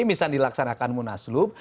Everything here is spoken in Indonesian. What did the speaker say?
misal dilaksanakan munaslub